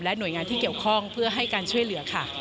หน่วยงานที่เกี่ยวข้องเพื่อให้การช่วยเหลือค่ะ